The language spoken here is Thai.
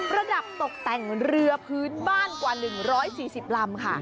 ระดับตกแต่งเรือพื้นบ้านกว่า๑๔๐ลำค่ะ